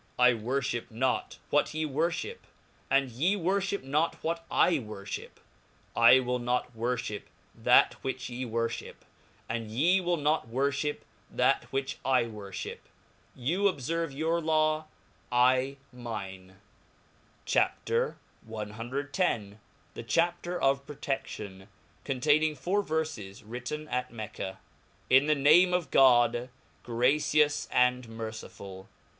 I worlh>p not what ye worftiip, and ye worfeio not what I worlhip; I will not worlhip that which ye wor ftip, and ye will not worlliip that which I wotflim. you ob lerve your Law, and I mine. f'J'" CHAP. ex. The Chapter of Protenion, contdningfouri Verfes , written M Mecca. TN the name of God, gracious and merciful!.